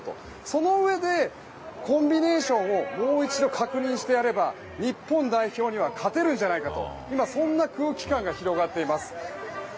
そのうえで、コンビネーションをもう一度確認して、やれば日本代表には勝てるんじゃないかとそんな空気感が広がっています。